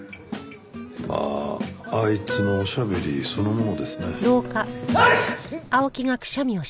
まああいつのおしゃべりそのものですね。